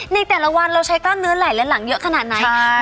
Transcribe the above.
ในแต่ละวันเราใช้กล้ามเนื้อไหลและหลังเยอะขนาดไหน